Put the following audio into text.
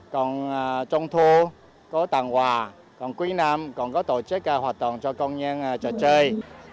còn trung thu có tặng quà còn quý nam còn có tổ chức hoạt động cho công nhân trò chơi